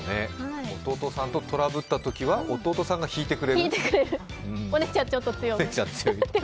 弟さんとトラブったときは弟さんが引いてくれる、お姉ちゃん強め。